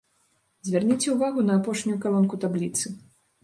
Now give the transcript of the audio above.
Звярніце ўвагу на апошнюю калонку табліцы.